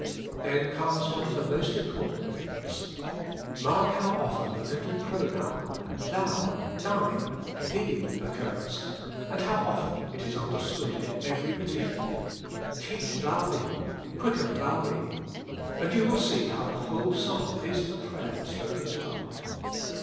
Then comes one of the most important things. Mark how often the little pronoun Thou, Thine, Thee, occurs, and how often it is under stood in every petition, " Teach Thou me, "" Quicken Thou me," and you will see how the whole psalm is a prayer spoken to God.